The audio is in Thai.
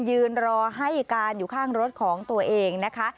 ยืนรอให้การอยู่ข้างรถของตัวเองนะคะ